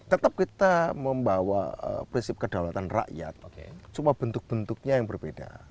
tetap kita membawa prinsip kedaulatan rakyat cuma bentuk bentuknya yang berbeda